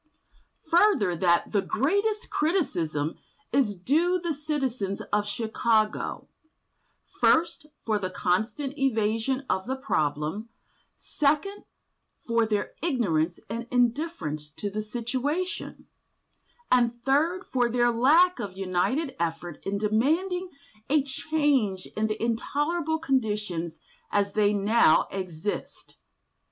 Further, that the greatest criticism is due the citizens of Chicago (italics mine), first, for the constant evasion of the problem, second, for their ignorance and indifference to the situation, and third, for their lack of united effort in demanding a change in the intolerable conditions as they now exist."